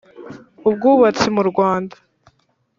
ubwubatsi mu rwanda